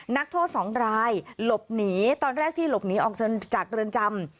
นักโทษสองรายหลบหนีตอนแรกที่หลบหนีออกจากเรือนจำ